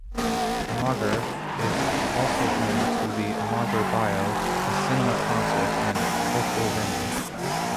Amager is also home to the Amager Bio, a cinema, concert and cultural venue.